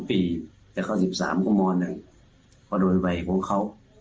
เพราะโดยวัยของเขา